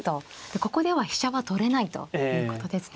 ここでは飛車は取れないということですね。